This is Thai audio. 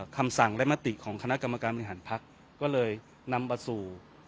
คำสั่งและมติของคณะกรรมการบริหารพักก็เลยนำมาสู่